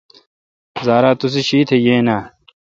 زارا توسی شیتھ یاین اؘ۔